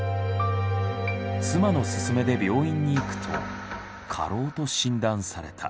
妻の勧めで病院に行くと過労と診断された。